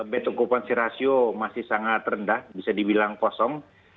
betul kupon si rasio masih sangat rendah bisa dibilang kosong